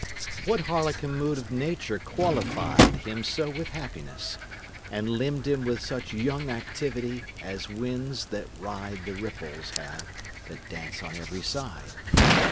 What harlequin mood of nature qualified Him so with happiness? and limbed him with Such young activity as winds, that ride The ripples, have, that dance on every side?